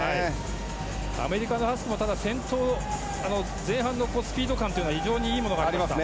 アメリカのハスクも前半のスピード感は非常にいいものがありますね。